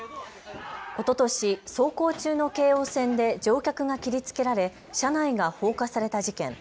おととし走行中の京王線で乗客が切りつけられ車内が放火された事件。